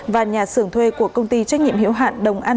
và nhà sưởng thuê của công ty trách nhiệm hiếu hạn đồng an